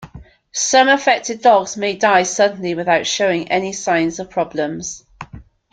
Some affected dogs may die suddenly without showing any signs of problems.